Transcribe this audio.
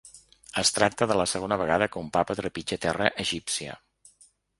Es tracta de la segona vegada que un papa trepitja terra egípcia.